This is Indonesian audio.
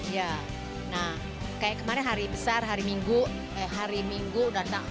ya nah kayak kemarin hari besar hari minggu hari minggu datang